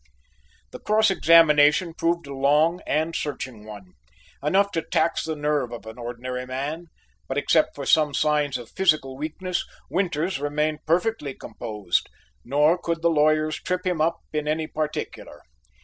The cross examination proved a long and searching one, enough to tax the nerve of any ordinary man, but except for some signs of physical weakness, Winters remained perfectly composed, nor could the lawyers trip him up in any particular.